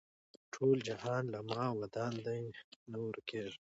ټول جهان له ما ودان دی نه ورکېږم